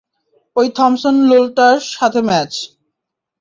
ঐ থমসন লোলটার সাথে ম্যাচ।